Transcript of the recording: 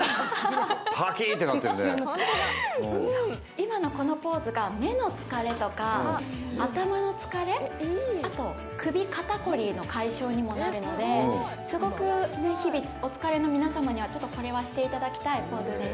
今のこのポーズが目の疲れとか、頭の疲れ、あと首、肩こりの解消にもなるので、すごく日々、お疲れの皆様にはこれはしていただきたいです。